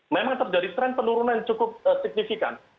memang terjadi tren penurunan yang cukup signifikan